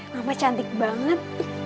mama cantik banget